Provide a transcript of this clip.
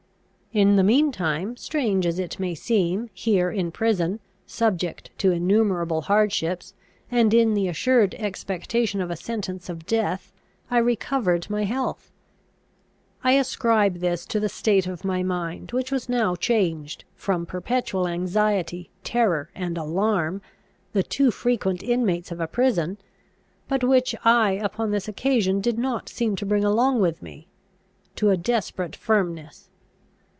In the mean time, strange as it may seem, here, in prison, subject to innumerable hardships, and in the assured expectation of a sentence of death, I recovered my health. I ascribe this to the state of my mind, which was now changed, from perpetual anxiety, terror, and alarm, the too frequent inmates of a prison, but which I upon this occasion did not seem to bring along with me, to a desperate firmness.